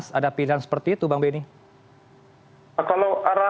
apakah ada arahan arahan kalau boleh tinggal di ukraina atau boleh pulang dulu